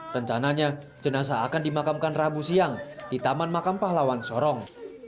rencananya jenazah akan dimakamkan rabu siang di taman makam pahlawan sorong